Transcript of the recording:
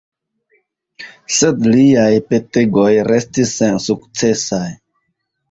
Sed liaj petegoj restis sensukcesaj.